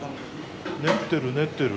練ってる練ってる。